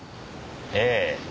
ええ。